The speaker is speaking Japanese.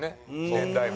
年代も。